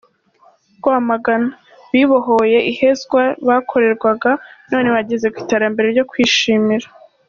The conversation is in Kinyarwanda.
Rwamagana: Bibohoye ihezwa bakorerwaga, none bageze ku iterambere ryo kwishimira.